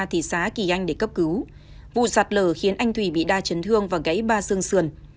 thị xá kỳ anh để cấp cứu vụ sạt lở khiến anh thủy bị đa chấn thương và gãy ba xương xườn